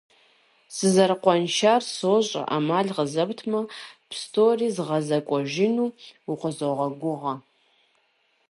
Сызэрыкъуаншар сощӀэ, Ӏэмал къызэптмэ, псори згъэзэкӏуэжыну укъызогъэгугъэ.